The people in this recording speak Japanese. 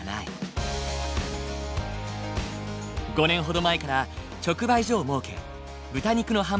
５年ほど前から直売所を設け豚肉の販売を開始したんだ。